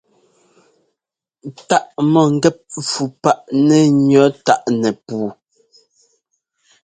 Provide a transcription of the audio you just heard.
Táʼ mɔ̂ngɛ́p fû páʼ nɛ́ ŋʉ̈ táʼ nɛpuu.